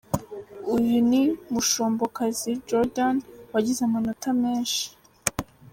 Uyu ni Mushombokazi Jordan, wagize amanota menshi.